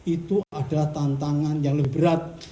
itu adalah tantangan yang lebih berat